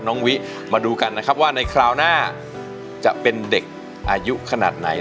วิมาดูกันนะครับว่าในคราวหน้าจะเป็นเด็กอายุขนาดไหน